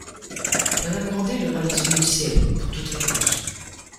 Madame Grandet leva les yeux au ciel, pour toute réponse.